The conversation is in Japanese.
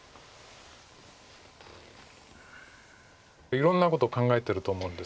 いろんなことを考えてると思うんですけど。